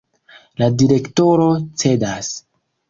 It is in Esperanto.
La direktoro cedas.